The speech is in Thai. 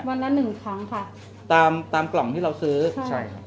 วันละหนึ่งครั้งค่ะตามตามกล่องที่เราซื้อใช่ครับ